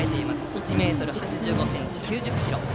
１ｍ８５ｃｍ、９０ｋｇ。